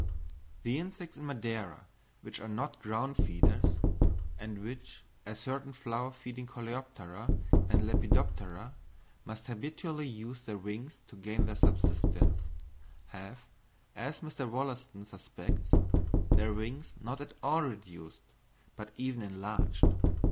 The insects in Madeira which are not ground feeders, and which, as certain flower feeding coleoptera and lepidoptera, must habitually use their wings to gain their subsistence, have, as Mr. Wollaston suspects, their wings not at all reduced, but even enlarged.